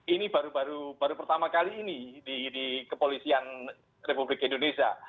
ini baru pertama kali ini di kepolisian republik indonesia